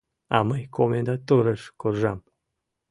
А мый — комендатурыш куржам.